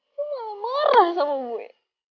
lo malah morah sama gue